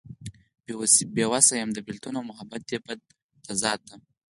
بې وس يم د بيلتون او محبت دې بد تضاد ته